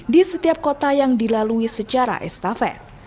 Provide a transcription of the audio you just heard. di setiap kota yang dilalui secara estafet